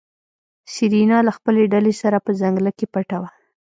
سېرېنا له خپلې ډلې سره په ځنګله کې پټه وه.